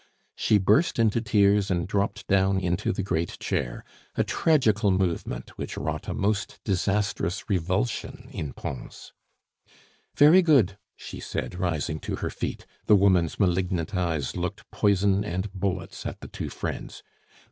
She burst into tears and dropped down into the great chair, a tragical movement which wrought a most disastrous revulsion in Pons. "Very good," she said, rising to her feet. The woman's malignant eyes looked poison and bullets at the two friends.